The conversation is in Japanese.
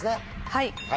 はい。